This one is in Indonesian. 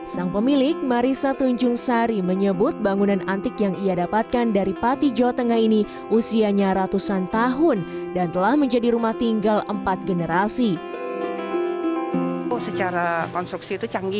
sang pemilik marisa tunjung sari menyebut bangunan antik yang ia dapatkan dari pati jawa tengah ini usianya ratusan tahun dan telah menjadi rumah tinggal empat generasi